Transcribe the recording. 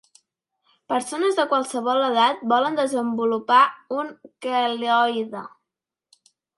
Persones de qualsevol edat poden desenvolupar un queloide.